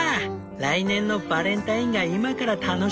来年のバレンタインが今から楽しみだワン！」。